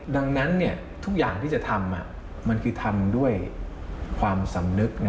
ดังนั้นทุกอย่างที่จะทำมันคือทำด้วยความสำนึก